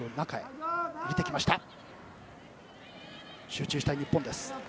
集中したい日本。